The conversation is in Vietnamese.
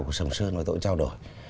của sầm sơn và tôi trao đổi